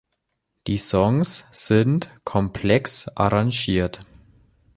Die Songs sind komplex arrangiert.